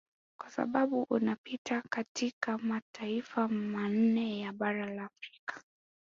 Kwa sababu unapita katika mataifa manne ya bara la Afrika